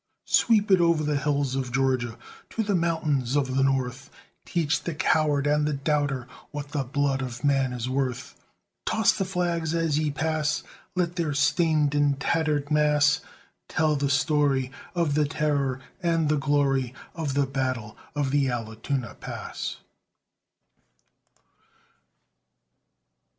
Sweep it o'er the hills of Georgia, To the mountains of the north! Teach the coward and the doubter What the blood of man is worth! Toss the flags as ye pass! Let their stained and tattered mass Tell the story Of the terror and the glory Of the battle of the Allatoona Pass!